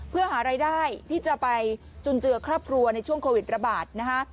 เพื่อหารายได้ที่จะไปจุนเจือครอบครัวในช่วงโควิดระบาดนะคะ